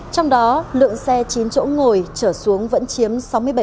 trong đó lượng xe chín chỗ ngồi trở xuống vẫn chiếm sáu mươi bảy